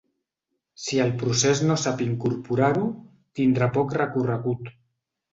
Si el procés no sap incorporar-ho, tindrà poc recorregut.